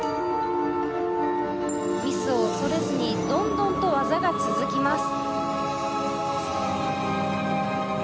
ミスを恐れずに、どんどんと技が続きます。